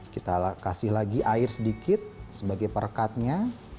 kita kasih lagi air sedikit sebagai perekatnya